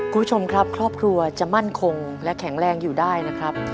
คุณผู้ชมครับครอบครัวจะมั่นคงและแข็งแรงอยู่ได้นะครับ